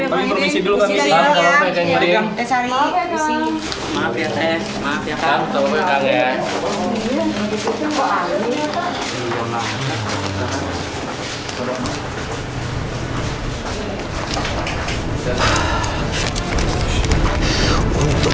kami permisi dulu kang giding